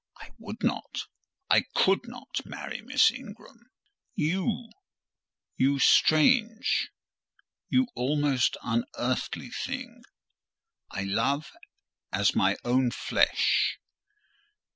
I would not—I could not—marry Miss Ingram. You—you strange, you almost unearthly thing!—I love as my own flesh.